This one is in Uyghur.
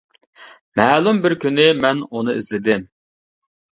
مەلۇم بىر كۈنى مەن ئۇنى ئىزدىدىم.